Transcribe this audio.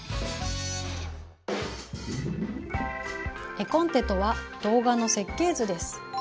絵コンテとは動画の設計図です。